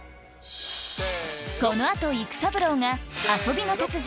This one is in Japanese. この後育三郎が遊びの達人